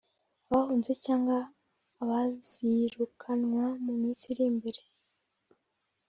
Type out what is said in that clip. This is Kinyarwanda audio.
abahunze cyangwa abazirukanwa mu minsi iri imbere